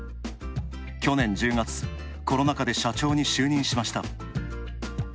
去年１０月、コロナ禍で社長に就任しました。